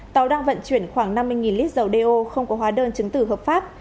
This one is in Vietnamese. tàu đang vận chuyển khoảng năm mươi lít dầu đeo không có hóa đơn chứng tử hợp pháp